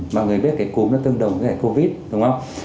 mọi người biết cái cúm nó tương đồng với hệ covid đúng không